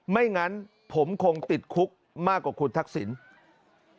ไม่งั้นผมคงติดคุกมากกว่าคุณทักษิณ